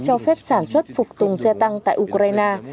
cho phép sản xuất phục tùng xe tăng tại ukraine